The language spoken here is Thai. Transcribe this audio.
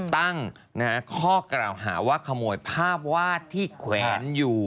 ตั้งข้อกล่าวหาว่าขโมยภาพวาดที่แขวนอยู่